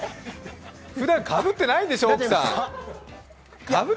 ふだん、かぶってないんでしょう、奥さん？